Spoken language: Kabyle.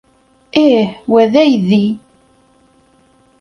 Ih, wa d aydi.